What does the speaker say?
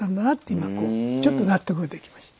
今こうちょっと納得ができました。